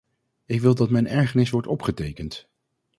Ik wil dat mijn ergernis wordt opgetekend.